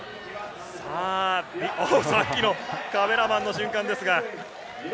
さっきのカメラマンの瞬間です。